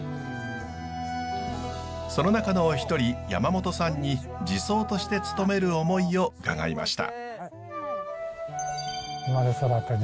その中のお一人山本さんに寺僧としてつとめる思いを伺いました。